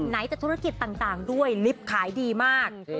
ไหนจะธุรกิจต่างด้วยลิฟต์ขายดีมาก